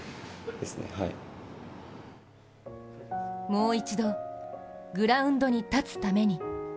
もう一度グラウンドに立つために。